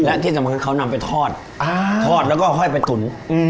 และที่สำคัญเขานำไปทอดทอดแล้วก็ค่อยไปตุ๋น